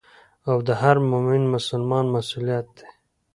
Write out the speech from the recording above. او د هر مؤمن مسلمان مسؤليت دي.